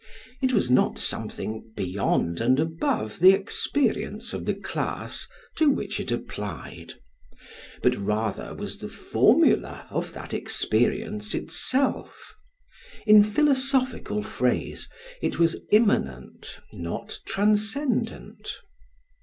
It was not something beyond and above the experience of the class to which it applied, but rather, was the formula of that experience itself: in philosophical phrase, it was immanent not transcendent.